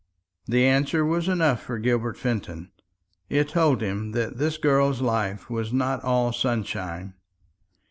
The answer was enough for Gilbert Fenton. It told him that this girl's life was not all sunshine.